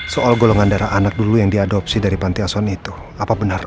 soal golongan darah anak dulu yang diadopsi dari panti asuhan itu apa benar